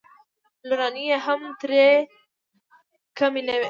لورانې یې هم ترې کمې نه وې.